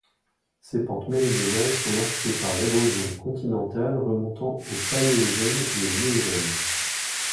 Ses pentes méridionales sont marquées par l'érosion continentale remontant au Paléogène et au Néogène.